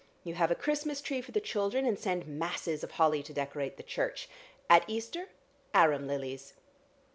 You have a Christmas tree for the children, and send masses of holly to decorate the church. At Easter, arum lilies."